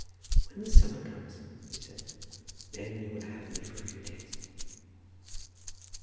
"When the summer comes," he said, "then, if you will have me for a few days!"